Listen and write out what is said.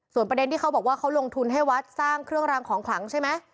ประเด็นที่เขาบอกว่าเขาลงทุนให้วัดสร้างเครื่องรางของขลังใช่ไหม